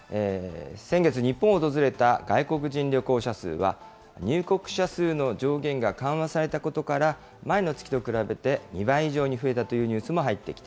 先月、日本を訪れた外国人旅行者数は、入国者数の上限が緩和されたことから、前の月と比べて２倍以上に増えたというニュースも入ってき